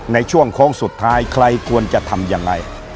ในช่วงโค้งสุดท้ายใครควรจะทำยังไง